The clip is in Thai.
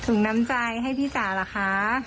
ถุงน้ำจายให้พี่สาหร่าคะ